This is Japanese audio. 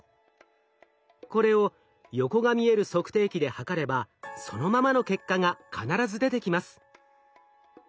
これを横が見える測定器で測ればそのままの結果が必ず出てきます。